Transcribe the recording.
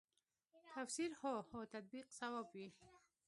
تفسیر هو هو تطبیق صواب وي.